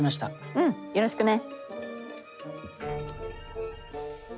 うんよろしくね。